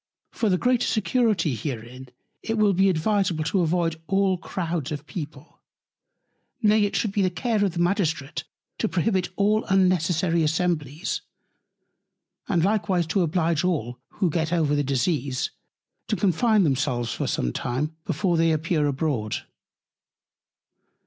For the greater Security herein, it will be advisable to avoid all Crouds of People. Nay it should be the Care of the Magistrate to prohibit all unnecessary Assemblies; and likewise to oblige all, who get over the Disease, to Confine themselves for some time, before they appear abroad.